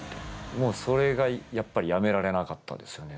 もうそれがやっぱりやめられなかったですよね。